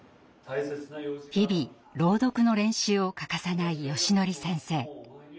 日々朗読の練習を欠かさないよしのり先生。